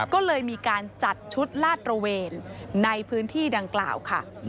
ก็เลยมีการจัดชุดลาดตระเวนในพื้นที่ดังกล่าวค่ะ